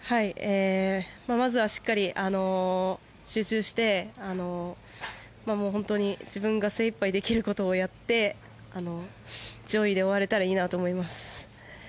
まずはしっかり集中して本当に自分が精いっぱいできることをやって上位で終われたらいいなと思います。